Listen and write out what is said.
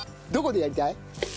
どこでやりたい？